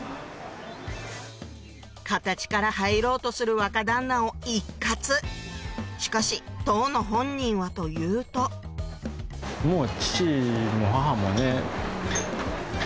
形から入ろうとする若旦那を一喝しかし当の本人はというとっていう。